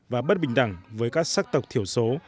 và bất bình đẳng với các sắc tộc thiểu số